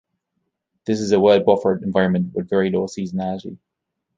This is a well buffered environment with very low seasonality.